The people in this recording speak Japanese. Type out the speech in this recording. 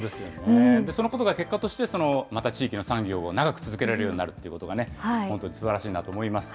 そのことが結果として、また地域の産業を長く続けられるようになるということがね、本当にすばらしいなと思います。